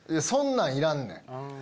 そんなんいらんねん